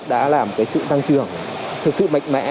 đã làm sự tăng trưởng thực sự mạnh mẽ